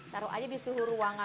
taruh aja di suhu ruangan